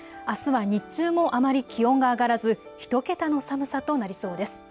あすは日中もあまり気温が上がらず１桁の寒さとなりそうです。